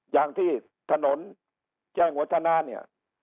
อย่างที่ถนนแจ้งวัฒนาเนี่ย